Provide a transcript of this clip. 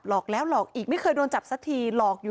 หลอกแล้วหลอกอีกไม่เคยโดนจับสักที